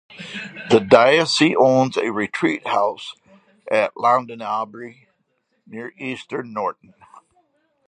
The diocese owns a retreat house at Launde Abbey near East Norton.